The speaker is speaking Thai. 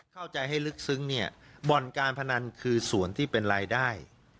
เข้าใจให้ลึกซึ้งเนี่ยบ่อนการพนันคือส่วนที่เป็นรายได้